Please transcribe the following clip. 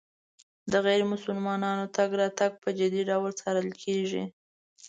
د غیر مسلمانانو تګ راتګ په جدي ډول څارل کېږي.